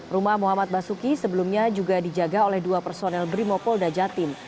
rumah mohamad basuki sebelumnya juga dijaga oleh dua personel brimopol dan jatim